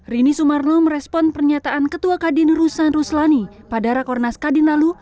rini sumarno merespon pernyataan ketua kadin ruslan ruslani pada rakornas kadinalu